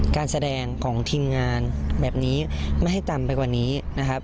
การแสดงของทีมงานแบบนี้ไม่ให้ต่ำไปกว่านี้นะครับ